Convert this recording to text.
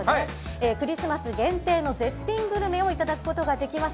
クリスマス限定の絶品グルメをいただくことができます